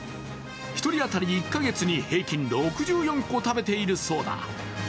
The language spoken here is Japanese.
１人当たり１か月に平均６４個食べているそうだ。